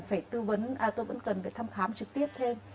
phải tư vấn tôi vẫn cần phải thăm khám trực tiếp thêm